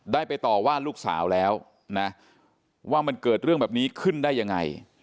ได้ไปต่อว่าลูกสาวแล้วนะว่ามันเกิดเรื่องแบบนี้ขึ้นได้ยังไง